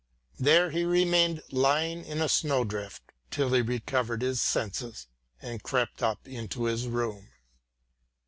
There he remained lying in a snow drift, till he recovered his senses, and crept up into his room.